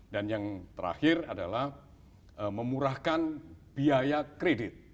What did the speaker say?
dan yang terakhir adalah memurahkan biaya kredit